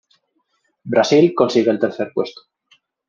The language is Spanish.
Brasil consigue el tercer puesto.